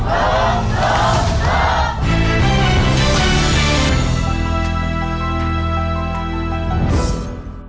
โกรธโกรธ